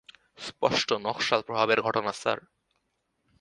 স্পষ্ট নকশাল প্রভাবের ঘটনা, স্যার।